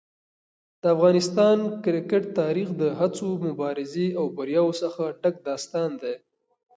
د افغانستان کرکټ تاریخ د هڅو، مبارزې او بریاوو څخه ډک داستان دی.